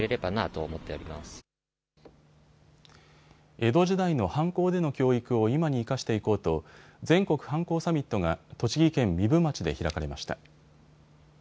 江戸時代の藩校での教育を今に生かしていこうと全国藩校サミットが栃木県壬生町で開かれました。